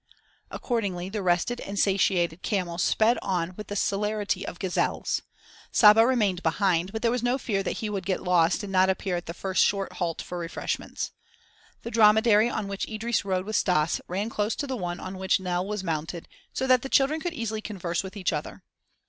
Accordingly the rested and satiated camels sped on with the celerity of gazelles. Saba remained behind, but there was no fear that he would get lost and not appear at the first short halt for refreshments. The dromedary on which Idris rode with Stas ran close to the one on which Nell was mounted, so that the children could easily converse with each other.